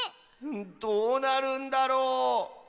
どうなるんだろう。